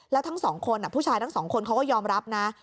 แล้วทั้งสองคนผู้ชายทั้งสองคนเขาก็ยอมรับนะ